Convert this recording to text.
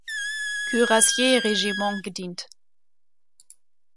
Kürassier-Regiments gedient.